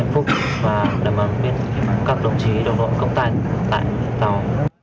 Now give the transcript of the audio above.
hạnh phúc và đảm bảo đến các đồng chí đồng đội công tài tại tàu